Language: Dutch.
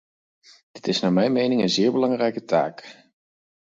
Dit is naar mijn mening een zeer belangrijke taak.